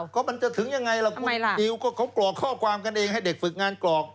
ก็มันจะถึงยังไงล่ะคุณดิวก็เขากรอกข้อความกันเองให้เด็กฝึกงานกรอก